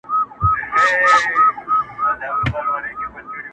بل فلسطین بله غزه دي کړمه.